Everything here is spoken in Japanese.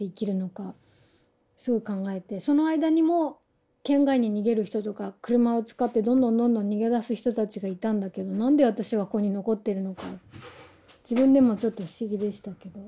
その間にも県外に逃げる人とか車を使ってどんどんどんどん逃げ出す人たちがいたんだけどなんで私はここに残ってるのか自分でもちょっと不思議でしたけど。